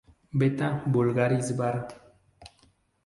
Beta vulgaris var.